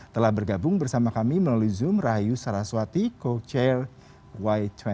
telah bergabung bersama kami melalui zoom rahayu saraswati co chair y dua puluh